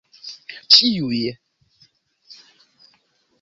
ĉiuj